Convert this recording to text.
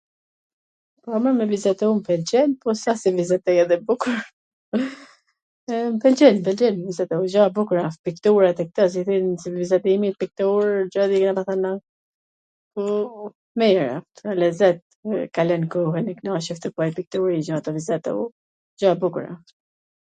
Po, mor, me vizatu m pwlqen, po s a se vizatoj edhe bukur, e m pwlqen, m pwlqen t vizatoj, gjara t bukra, as piktura ... se vizatimi piktur ... ndonjher, ka lezet, kalon kohwn, knaqesh tuj ba nj piktur a njw gja, tu vizatu, gjara t bukura.